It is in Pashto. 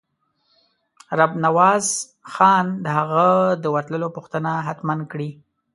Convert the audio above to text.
رب نواز خان د هغه د ورتلو پوښتنه حتماً کړې.